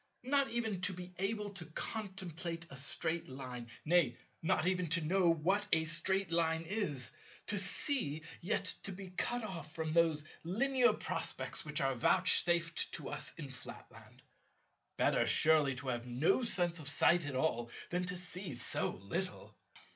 Not even to be able to contemplate a Straight Line! Nay, not even to know what a Straight Line is! To see, yet to be cut off from those Linear prospects which are vouchsafed to us in Flatland! Better surely to have no sense of sight at all than to see so little!